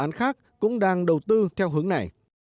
dự án khác cũng đang đầu tư theo hướng này